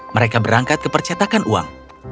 mereka berangkat ke percetakan uang